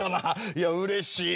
いやうれしいな。